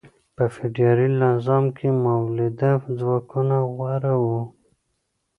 په فیوډالي نظام کې مؤلده ځواکونه غوره وو.